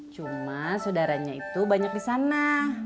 cuma saudaranya itu banyak di sana